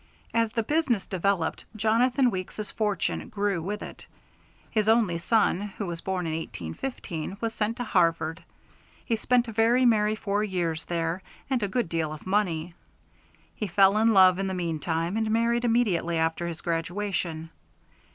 As the business developed, Jonathan Weeks's fortune grew with it. His only son, who was born in 1815, was sent to Harvard; he spent a very merry four years there, and a good deal of money. He fell in love in the meantime, and married immediately after his graduation.